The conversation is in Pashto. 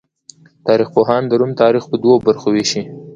تاریخ پوهان د روم تاریخ په دوو برخو ویشي.